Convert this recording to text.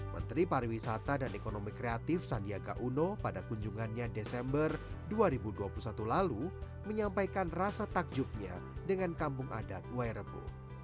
menteri pariwisata dan ekonomi kreatif sandiaga uno pada kunjungannya desember dua ribu dua puluh satu lalu menyampaikan rasa takjubnya dengan kampung adat wairebo